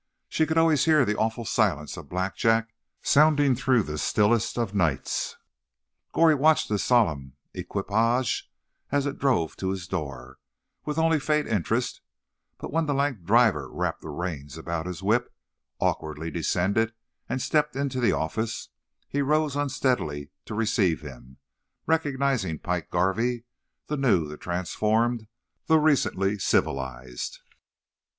She could always hear the awful silence of Blackjack sounding through the stillest of nights. Goree watched this solemn equipage, as it drove to his door, with only faint interest; but when the lank driver wrapped the reins about his whip, awkwardly descended, and stepped into the office, he rose unsteadily to receive him, recognizing Pike Garvey, the new, the transformed, the recently civilized.